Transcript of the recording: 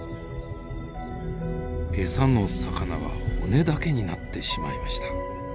餌の魚は骨だけになってしまいました。